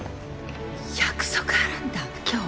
約束あるんだ今日。